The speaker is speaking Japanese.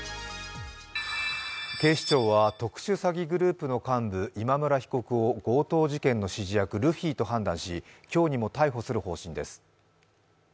警視庁は特殊詐欺グループの幹部・今村被告を強盗事件の指示役・ルフィと判断し今日にも逮捕する方針です。